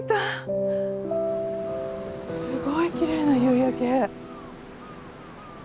すごいきれいな夕焼け。